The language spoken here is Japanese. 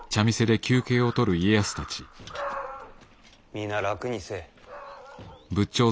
皆楽にせい。